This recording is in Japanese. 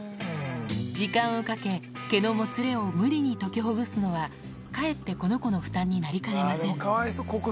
時間をかけ、毛のもつれを無理にときほぐすのはかえってこの子の負担になりかねません。